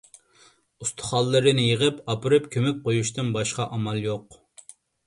ئۇستىخانلىرىنى يىغىپ ئاپىرىپ كۆمۈپ قويۇشتىن باشقا ئامال يوق.